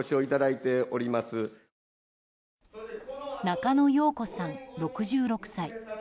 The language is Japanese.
中野容子さん、６６歳。